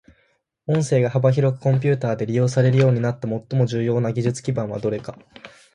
音声が幅広くコンピュータで利用されるようになった最も重要な技術基盤はどれか。